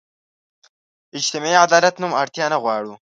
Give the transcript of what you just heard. اجتماعي عدالت نوم اړتیا نه غواړو.